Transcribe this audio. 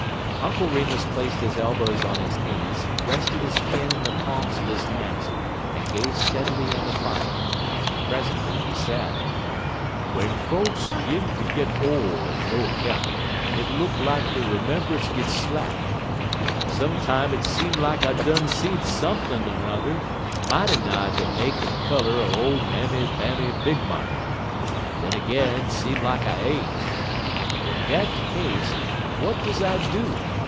Uncle Remus placed his elbows on his knees, rested his chin in the palms of his hands, and gazed steadily in the fire. Presently he said: "Wen folks 'gin ter git ole en no 'count, hit look lak der 'membunce git slack. Some time hit seem lak I done seed sump'n' n'er mighty nigh de make en color er ole Mammy Bammy Big Money, en den ag'in seem lak I ain't. W'en dat de case, w'at does I do?